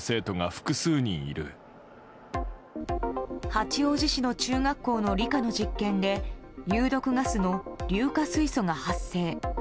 八王子市の中学校の理科の実験で有毒ガスの硫化水素が発生。